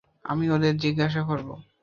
আমি ওদের জিজ্ঞেস করব।